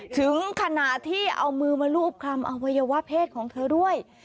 ถึงขณะที่เอามือมารูปคำอวัยวะเพศของเธอด้วย